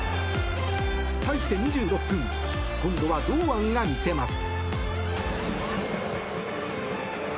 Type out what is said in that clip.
対して２６分今度は堂安が見せます。